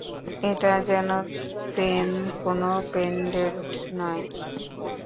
এটা যেন তেন কোন পেনডেন্ট নয়।